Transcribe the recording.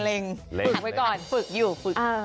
เล่งไหมก่อนฝึกอยู่